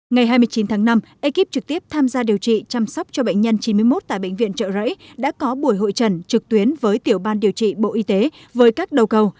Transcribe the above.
ngày hai mươi chín tháng năm ekip trực tiếp tham gia điều trị chăm sóc cho bệnh nhân chín mươi một tại bệnh viện trợ rẫy đã có buổi hội trần trực tuyến với tiểu ban điều trị bộ y tế với các đầu cầu